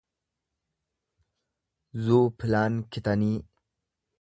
zuupilaankitanii